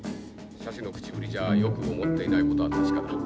社主の口ぶりじゃよく思っていないことは確かだ。